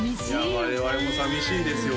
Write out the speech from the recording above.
いや我々も寂しいですよ